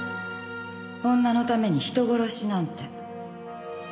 女のために人殺しなんて。